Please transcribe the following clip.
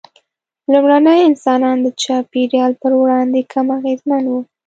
لومړني انسانان د چاپېریال پر وړاندې کم اغېزمن وو.